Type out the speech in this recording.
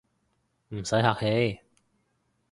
唔使客氣